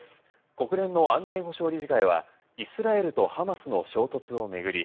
国連の安全保障理事会はイスラエルとハマスの衝突を巡り